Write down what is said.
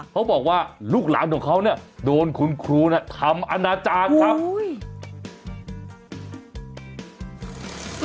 เขาบอกว่าลูกหลานของเขาเนี่ยโดนคุณครูเนี่ยทำอนาจารย์ครับ